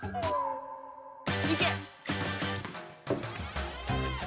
いけ！